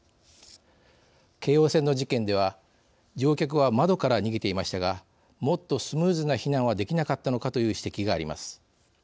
京王線の事件では乗客は窓から逃げていましたがもっとスムーズな避難はできなかったのかという指摘があります。